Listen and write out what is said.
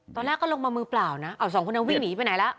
ตอนแรกก็ลงมามือเปล่านะเอาสองคนนี้วิ่งหนีไปไหนแล้ว